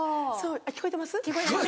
あっ聞こえてます？